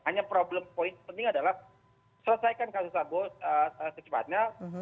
hanya problem point penting adalah selesaikan kasus arbo secepatnya